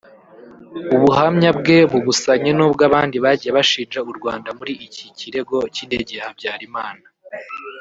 ubuhamya bwe bubusanye n’ubw’abandi bagiye bashinja u Rwanda muri iki kirego cy’indege ya Habyarimana